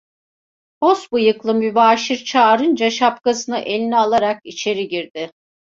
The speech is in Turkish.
Pos bıyıklı mübaşir çağırınca şapkasını eline alarak içeri girdi.